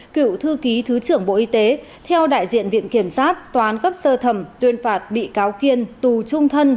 cựu thư ký thứ trưởng bộ y tế theo đại diện viện kiểm sát toán cấp sơ thẩm tuyên phạt bị cáo kiên tù trung thân